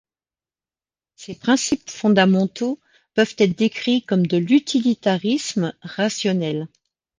Ses principes fondamentaux peuvent être décrits comme de l’utilitarisme rationnel.